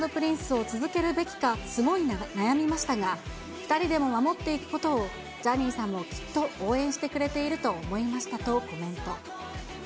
Ｋｉｎｇ＆Ｐｒｉｎｃｅを続けるべきかすごい悩みましたが、２人でも守っていくことを、ジャニーさんもきっと応援してくれていると思いましたとコメント。